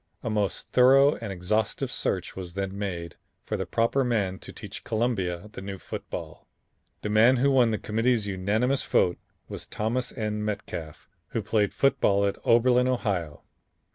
A most thorough and exhaustive search was then made for the proper man to teach Columbia the new football. The man who won the Committee's unanimous vote was Thomas N. Metcalf, who played football at Oberlin, Ohio.